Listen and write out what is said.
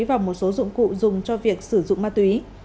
và một số dụng cụ dùng cho việc sử dụng ma túy